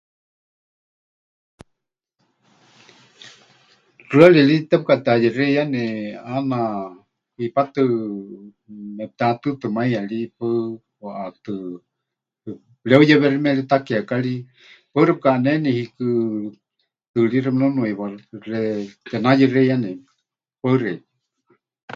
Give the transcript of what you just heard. Xɨari ri tepɨkateʼayexeiyani ʼaana, hipátɨ mepɨtehatɨtɨmaiya ri ʼipaɨ, waʼaátɨ pɨreuyewexime ri takiekari, paɨ xepɨkaʼaneni hiikɨ tɨɨrí xemunúnuiwa, xetenayexeiyani. Paɨ xeikɨ́a.